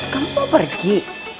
kamu mau pergi